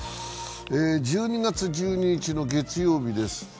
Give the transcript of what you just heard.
１２月１２日の月曜日です。